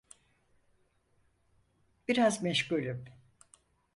Biraz meşgulüm.